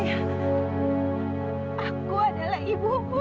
aku adalah ibumu